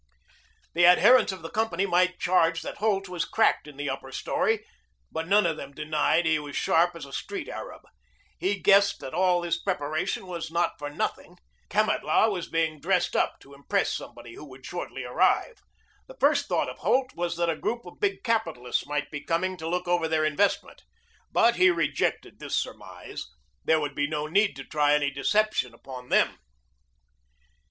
The adherents of the company might charge that Holt was cracked in the upper story, but none of them denied he was sharp as a street Arab. He guessed that all this preparation was not for nothing. Kamatlah was being dressed up to impress somebody who would shortly arrive. The first thought of Holt was that a group of big capitalists might be coming to look over their investment. But he rejected this surmise. There would be no need to try any deception upon them.